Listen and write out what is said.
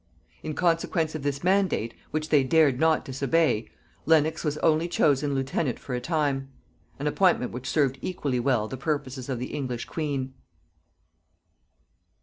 In consequence of this mandate, which they dared not disobey, Lenox was only chosen lieutenant for a time; an appointment which served equally well the purposes of the English queen.